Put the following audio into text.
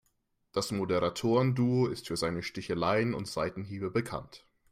Das Moderatoren-Duo ist für seine Sticheleien und Seitenhiebe bekannt.